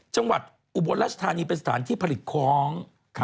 จังหวัดอุบลรัชทานีเป็นสถานที่ผลิตคล้อง